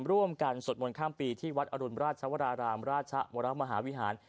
ร่วมกันสวดมนต์ข้ามปีที่วัดอรุณราชวรารามราชวรมหาวิหาร